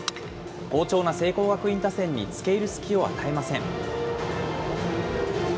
好調な聖光学院打線につけいる隙を与えません。